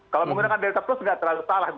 kalau menggunakan delta plus tidak terlalu salah